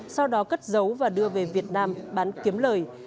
sau đó cất giấu và đưa về việt nam bán kiếm lời